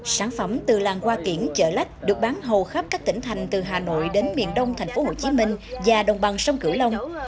sản phẩm từ làng hoa kiển chợ lách được bán hầu khắp các tỉnh thành từ hà nội đến miền đông thành phố hồ chí minh và đồng bằng sông cửu long